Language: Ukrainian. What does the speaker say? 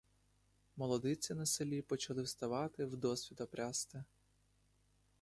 Молодиці на селі почали вставати вдосвіта прясти.